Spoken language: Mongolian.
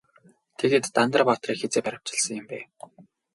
Тэгээд Дандар баатрыг хэзээ баривчилсан юм бэ?